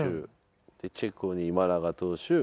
チェコに今永投手